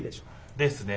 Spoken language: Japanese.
ですね。